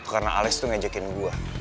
karena alex tuh ngejakin gue